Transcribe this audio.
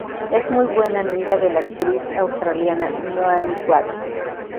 Es muy buena amiga de la actriz australiana Naomi Watts.